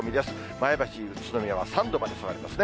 前橋、宇都宮は３度まで下がりますね。